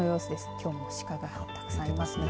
きょうも鹿がたくさんいますね。